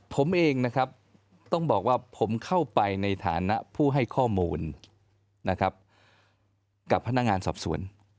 ผมเองนะครับต้องบอกว่าผมเข้าไปในฐานะผู้ให้ข้อมูลนะครับกับพนักงานสอบสวน